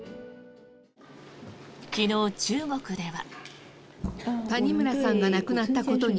昨日、中国では。